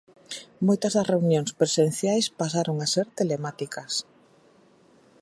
Moitas das reunións presenciais pasaron a ser telemáticas.